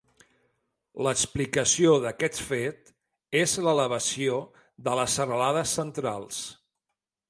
L"explicació d"aquest fet és l"elevació de les serralades centrals.